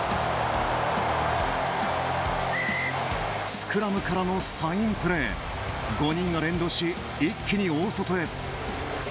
スクラムからのサインプレー５人が連動し、一気に大外へ。